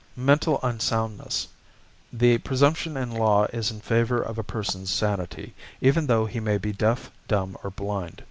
MENTAL UNSOUNDNESS The presumption in law is in favour of a person's sanity, even though he may be deaf, dumb, or blind.